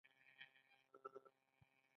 ایران فضايي پروګرام هم لري.